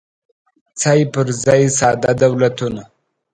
څای پر ځای ساده دولتونه